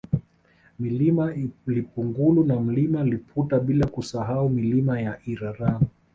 Mlima Ipungulu na Mlima Iputa bila kusahau Milima ya Iraramo